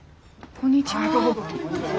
こんにちは。